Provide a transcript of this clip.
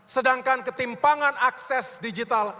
sedangkan ketimpangan akses digitalisasi